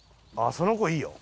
その子いい。